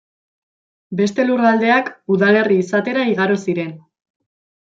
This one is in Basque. Beste lurraldeak udalerri izatera igaro ziren.